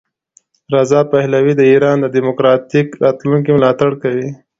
رضا پهلوي د ایران د دیموکراتیک راتلونکي ملاتړ کوي.